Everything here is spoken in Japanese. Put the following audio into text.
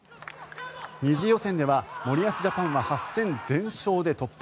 ２次予選では森保ジャパンは８戦全勝で突破。